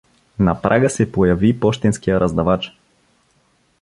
На прага се появи пощенския раздавач.